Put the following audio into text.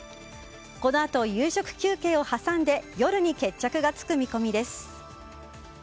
このあと、夕食休憩を挟んで夜に決着がつく見込みです。